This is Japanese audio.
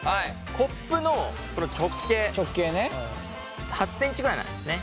コップの直径８ｃｍぐらいなんですね。